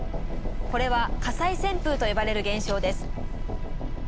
これは火災旋風と呼ばれる現象です。